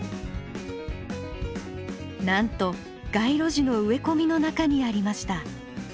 なんと街路樹の植え込みの中にありました！